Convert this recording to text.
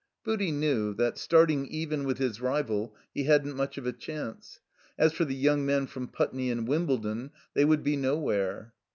Booty knew that, starting even with his rival, he hadn't much of a chance. As for the yotmg men from Putney and Wimbledon, they would be no where.